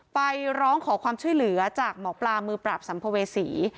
ไปร้องขอความช่วยเหลือจากหมอปลามือปราบสัมภเวษี